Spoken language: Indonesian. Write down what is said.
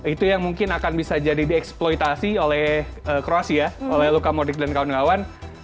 itu yang mungkin akan bisa jadi dieksploitasi oleh kroasia oleh luka modik dan kawan kawan